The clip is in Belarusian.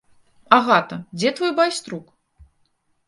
Агата, дзе твой байструк?